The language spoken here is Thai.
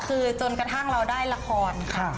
คือจนกระทั่งเราได้ละครค่ะ